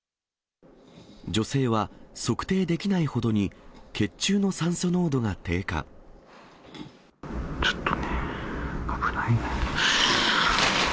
女性は測定できないほどに血ちょっとね、危ないね。